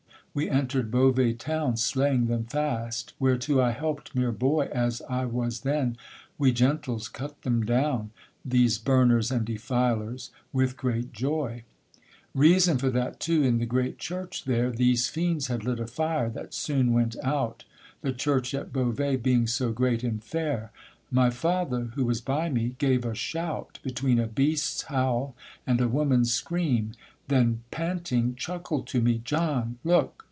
we enter'd Beauvais town, Slaying them fast, whereto I help'd, mere boy As I was then; we gentles cut them down, These burners and defilers, with great joy. Reason for that, too, in the great church there These fiends had lit a fire, that soon went out, The church at Beauvais being so great and fair: My father, who was by me, gave a shout Between a beast's howl and a woman's scream, Then, panting, chuckled to me: 'John, look!